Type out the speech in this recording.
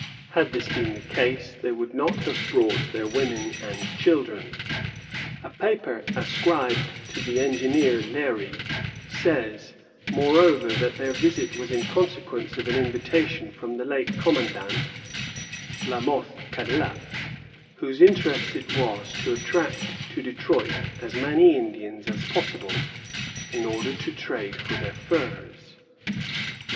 Had this been the case, they would not have brought their women and children. A paper ascribed to the engineer Léry says, moreover, that their visit was in consequence of an invitation from the late commandant, La Mothe Cadillac, whose interest it was to attract to Detroit as many Indians as possible, in order to trade for their furs.